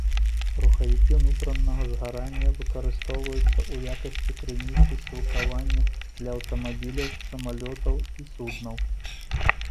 Рухавікі ўнутранага згарання выкарыстоўваюцца ў якасці крыніцы сілкавання для аўтамабіляў, самалётаў і суднаў.